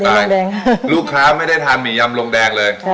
เดี๋ยวลงแดงตายลูกค้าไม่ได้ทานมียำลงแดงเลย